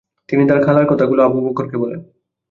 তিনি তার খালার কথাগুলো আবু বকরকে বলেন।